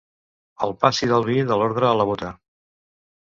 El passi del vi de l'odre a la bóta.